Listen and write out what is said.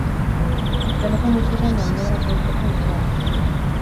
Ezkerreko muturrean maniobrak egiteko etxea dago.